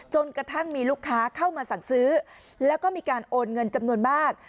จนกระทั่งมีลูกค้าเข้ามาสั่งซื้อแล้วก็มีการโอนเงินจำนวนมาก